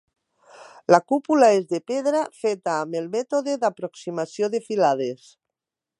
La cúpula és de pedra feta amb el mètode d'aproximació de filades.